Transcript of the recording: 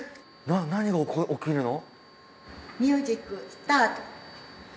何が起きるの？